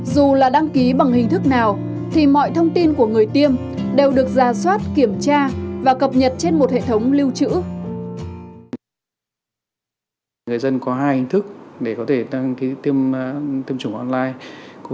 dù là đăng ký bằng hình thức nào thì mọi thông tin của người tiêm đều được ra soát kiểm tra và cập nhật trên một hệ thống lưu trữ